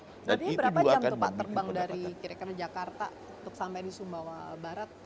berarti berapa jam tuh pak terbang dari kira kira jakarta untuk sampai di sumbawa barat